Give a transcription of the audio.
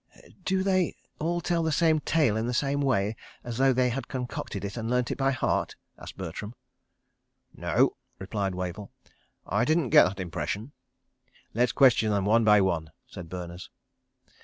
... "Do they all tell the same tale in the same way, as though they had concocted it and learnt it by heart?" asked Bertram. "No," replied Wavell. "I didn't get that impression." "Let's question them one by one," said Berners.